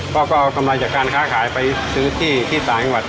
ก็เอากำไรจากการค้าขายไปซื้อที่ต่างจังหวัด